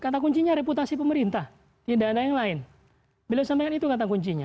kata kuncinya reputasi pemerintah tidak ada yang lain beliau sampaikan itu kata kuncinya